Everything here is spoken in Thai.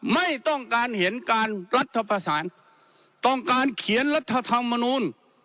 ไม่ต้องการเห็นการรัฐภาษาต้องการเขียนรัฐธรรมนูล